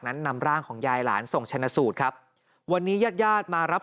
นั้นนำร่างของยายหลานส่งชนะสูตรครับวันนี้ยาดมารับ